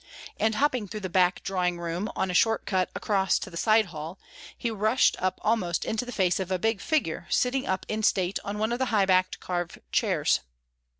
And hopping through the back drawing room on a short cut across to the side hall, he rushed up almost into the face of a big figure sitting up in state on one of the high backed carved chairs.